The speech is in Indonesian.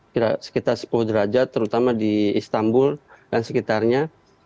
kira kira sekitar sepuluh derajat terutama di istanbul dan sekitarnya